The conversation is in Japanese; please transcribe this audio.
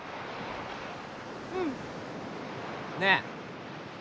うん。ねぇ。